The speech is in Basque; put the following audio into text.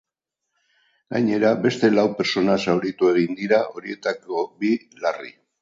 Gainera, beste lau pertsona zauritu egin dira, horietako bi, larri.